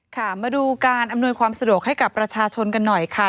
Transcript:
ค่ะมาดูการอำนวยความสะดวกให้กับประชาชนกันหน่อยค่ะ